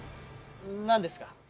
何ですか？